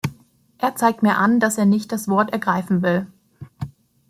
Er zeigt mir an, dass er nicht das Wort ergreifen will.